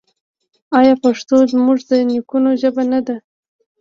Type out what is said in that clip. آیا پښتو زموږ د نیکونو ژبه نه ده؟